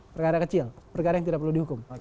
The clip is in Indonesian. perkara kecil perkara yang tidak perlu dihukum